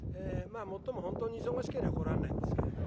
もっとも本当に忙しけりゃ来られないんですけれど。